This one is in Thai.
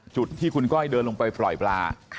จุดที่คุณก้อยเดินลงไปปล่อยปลา